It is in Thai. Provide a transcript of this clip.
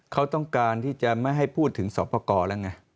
เขาต้องการที่จะไม่ให้พูดถึงสอบประกอบแล้วไง